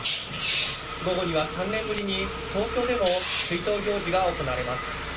午後には３年ぶりに東京でも追悼行事が行われます。